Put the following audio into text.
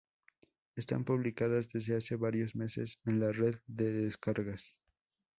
estan publicadas desde hace varios meses en la Red de Descargas